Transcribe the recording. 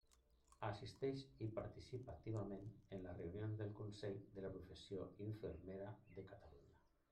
Assisteix i participa activament en les reunions del Consell de la Professió Infermera de Catalunya.